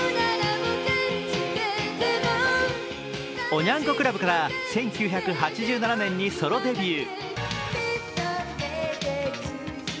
おニャン子クラブから１９８７年にソロデビュー。